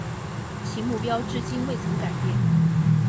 其目标至今未曾改变。